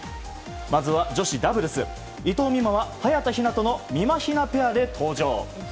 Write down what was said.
まずは女子ダブルス伊藤美誠は早田ひなとのみまひなペアで登場。